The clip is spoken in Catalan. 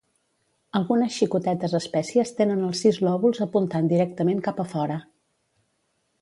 Algunes xicotetes espècies tenen els sis lòbuls apuntant directament cap a fora.